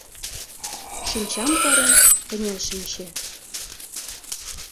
Шинчам карен, кынел шинче.